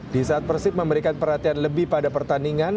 di saat persib memberikan perhatian lebih pada pertandingan